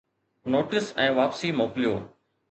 Notes ۽ واپسي موڪليو.